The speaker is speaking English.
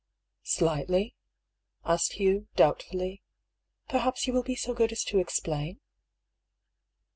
"Slightly?" asked Hugh, doubtfully. "Perhaps you will be so good as to explain